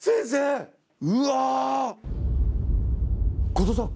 後藤さん